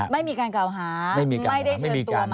ไม่มีการกล่าวหา